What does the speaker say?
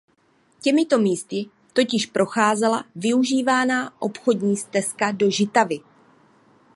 Těmito místy totiž procházela využívaná obchodní stezka do Žitavy.